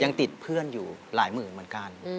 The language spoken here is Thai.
ยังติดเพื่อนอยู่หลายหมื่นเหมือนกัน